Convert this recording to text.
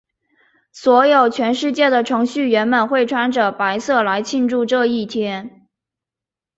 所以全世界的程序员们会穿着白色来庆祝这一天。